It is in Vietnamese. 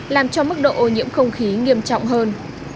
làm cho mức độ ô nhiễm không khí nghiêm trọng hơn